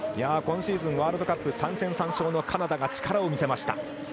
今シーズン、ワールドカップ３戦３勝のカナダが力を見せました。